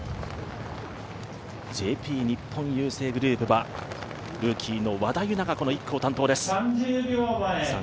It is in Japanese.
日本郵政グループはルーキーの和田有菜が１区を担当です。